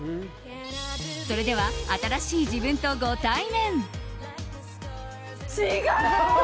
それでは新しい自分とご対面。